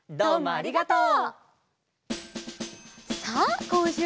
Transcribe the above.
ありがとう。